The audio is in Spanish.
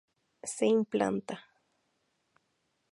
Se implanta.